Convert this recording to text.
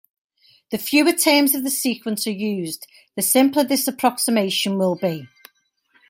The fewer terms of the sequence are used, the simpler this approximation will be.